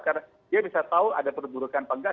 karena dia bisa tahu ada perburukan penggas